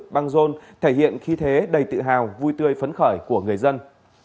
băng rôn thể hiện khí thế đầy tự hào vui tươi phấn khởi của người dân